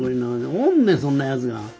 おんねんそんなやつが。